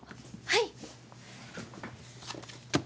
はい！